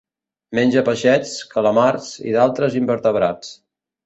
Menja peixets, calamars i d'altres invertebrats.